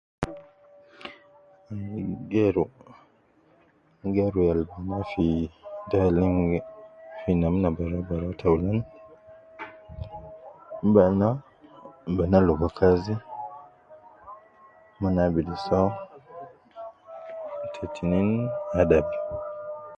Geru, geru yalbana fi gaalimumon fi namna baraubarau fi taalim Bana, Bana logo kazi ,monabidu so, ta tinin adab.